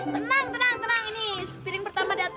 tenang tenang tenang ini sepiring pertama datang nih